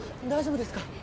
大丈夫ですか？